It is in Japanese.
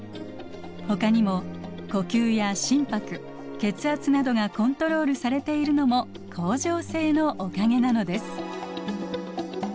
ほかにも呼吸や心拍血圧などがコントロールされているのも恒常性のおかげなのです。